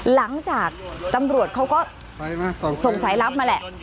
หลังจากตำรวจเขาก็ส่งสายลับมาแหละ